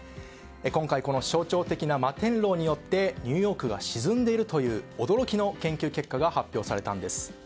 今回この象徴的な摩天楼によってニューヨークが沈んでいるという驚きの研究結果が発表されたんです。